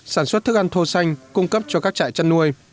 sản xuất thức ăn thô xanh cung cấp cho các trại chăn nuôi